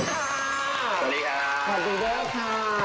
สวัสดีค่ะ